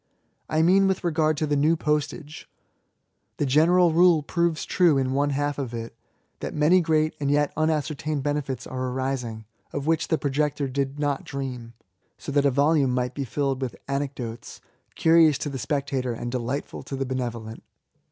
I mean with regard to the New Postage. The general rule proves true in one half of it^ that many great and yet unascertained LIFB TO THB INVALID. 81 benefits are arising^ of which the projector did not dream; so that a yolume might be filled with anecdotes^ carious to the spectator and delightful to the benevolent.